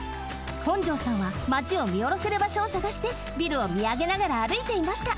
本城さんはマチをみおろせるばしょをさがしてビルをみあげながらあるいていました。